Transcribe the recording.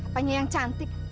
apanya yang cantik